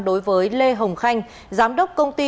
đối với lê hồng khanh giám đốc công ty